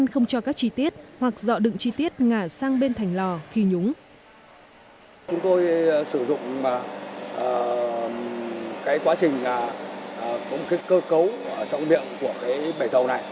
hoặc dọa đựng chi tiết ngả sang bên thành lò khi nhúng